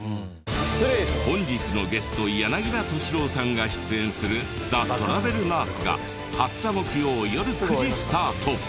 本日のゲスト柳葉敏郎さんが出演する『ザ・トラベルナース』が２０日木曜よる９時スタート。